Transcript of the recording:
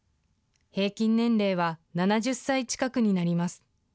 平均年齢は７０歳近くになります。